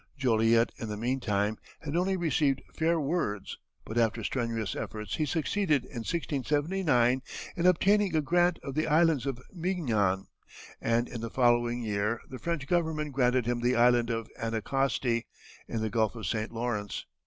Joliet in the meantime had only received fair words, but after strenuous efforts he succeeded in 1679 in obtaining a grant of the Islands of Mignan, and in the following year the French Government granted him the Island of Anticosti, in the Gulf of St. Lawrence.